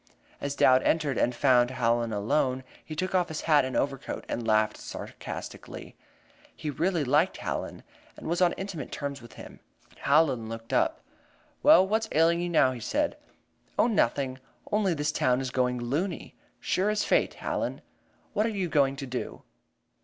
As Dowd entered and found Hallen alone, he took off his hat and overcoat, and laughed sarcastically. He really liked Hallen, and was on intimate terms with him. Hallen looked up. "Well, what's ailing you now?" he said. "Oh, nothing. Only this town is going loony, sure as fate, Hallen. What are you going to do?"